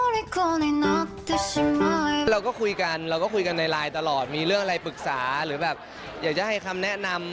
เราก็คุยกันเราก็คุยกันในไลน์ตลอดมีเรื่องอะไรปรึกษาหรือแบบอยากจะให้คำแนะนำ